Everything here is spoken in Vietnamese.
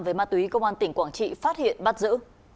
về ma túy công an tỉnh quảng trị phát hiện bắt giữ